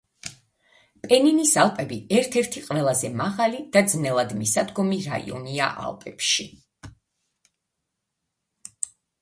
პენინის ალპები ერთ-ერთი ყველაზე მაღალი და ძნელად მისადგომი რაიონია ალპებში.